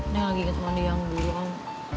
neng lagi inget mondi yang dulu om